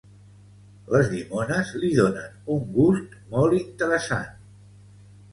Les llimones li donen un gust molt interessant.